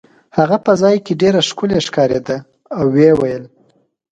هغه په ځای کې ډېره ښکلې ښکارېده او ویې ویل.